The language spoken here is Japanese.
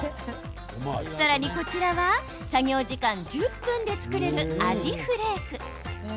さらに、こちらは作業時間１０分で作れるアジフレーク。